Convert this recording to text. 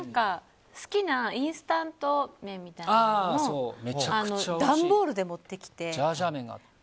好きなインスタント麺とかも段ボールで持ってきて。